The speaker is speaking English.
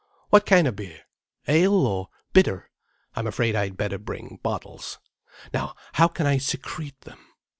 What kind of beer? Ale?—or bitter? I'm afraid I'd better bring bottles. Now how can I secrete them?